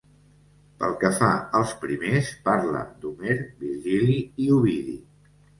Pel que fa als primers parla d'Homer, Virgili i Ovidi.